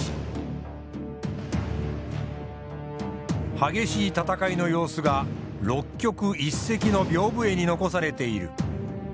激しい戦いの様子が六曲一隻の屏風絵に残されている。